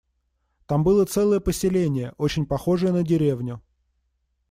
Там было целое поселение, очень похожее на деревню.